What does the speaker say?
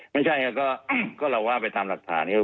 ไม่ใช่ก็เราว่าไปตามรักฐาน